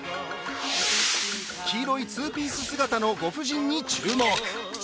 黄色いツーピース姿のご婦人に注目！